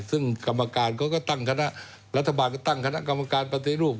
ซึ่งกรรมการเขาก็ตั้งคณะรัฐบาลก็ตั้งคณะกรรมการปฏิรูป